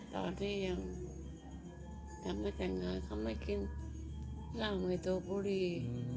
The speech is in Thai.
ตอนที่ยังยังไม่แต่งงานเขาไม่กินนั่งไว้ตัวบุรี